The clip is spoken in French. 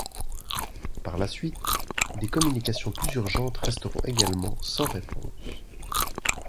Par la suite, des communications plus urgentes resteront également sans réponse.